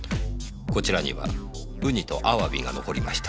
こちらにはウニとアワビが残りました。